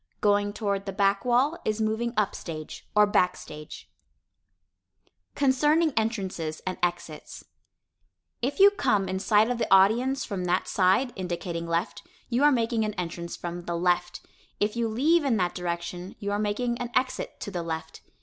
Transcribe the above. Going toward the back wall is moving up stage or back stage. [Illustration: Diagram of Modern Theatre Stage] CONCERNING ENTRANCES AND EXITS If you come in sight of the audience from that side (indicating left) you are making an entrance from the left. If you leave in that direction, you are making an exit to the left.